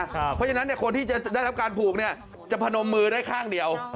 เพราะฉะนั้นคนที่จะได้รับการผูกจะพนมมือได้ข้างเดียว